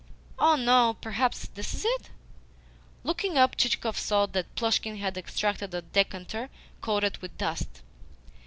Oh no: perhaps this is it!" Looking up, Chichikov saw that Plushkin had extracted a decanter coated with dust.